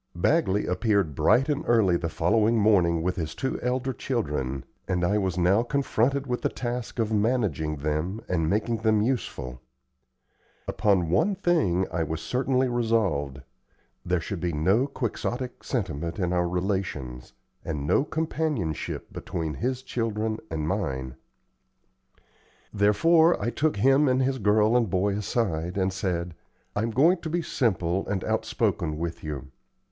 Bagley appeared bright and early the following morning with his two elder children, and I was now confronted with the task of managing them and making them useful. Upon one thing I was certainly resolved there should be no quixotic sentiment in our relations, and no companionship between his children and mine. Therefore, I took him and his girl and boy aside, and said: "I'm going to be simple and outspoken with you.